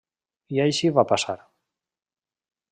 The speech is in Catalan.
I així va passar.